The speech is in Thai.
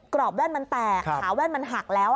รอบแว่นมันแตกขาแว่นมันหักแล้ว